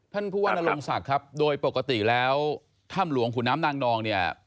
ท่านผู้ว่านรงศักดิ์ครับโดยปกติแล้วถ้ำหลวงขุนน้ำนางนองเนี่ย